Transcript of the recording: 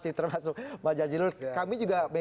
sih termasuk mbak jadjilul kami juga baik